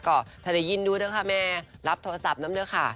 ก็ถ้าได้ยินดูแล้วค่ะแม่รับโทรศัพท์ด้วยค่ะ